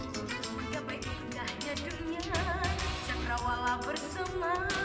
sampai jumpa di video selanjutnya